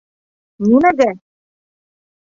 — Нимәгә?